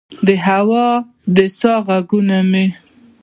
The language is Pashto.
د هوا د سا ه ږغونه مې